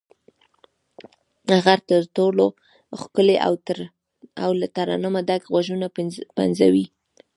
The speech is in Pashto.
هغه تر ټولو ښکلي او له ترنمه ډک غږونه پنځوي.